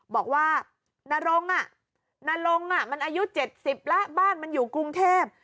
บอกว่านารงอ่ะนารงอ่ะมันอายุเจ็ดสิบแล้วบ้านมันอยู่กรุงเทพฯ